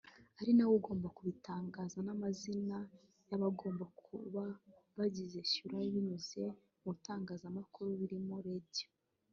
ari nawe ugomba kubitangaza n’amazina y’abagomba kuba bagize Shura binyuze mu bitangazamakuru birimo radio